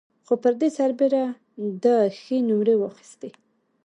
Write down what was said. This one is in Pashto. خو پر دې سربېره ده ښې نومرې واخيستې.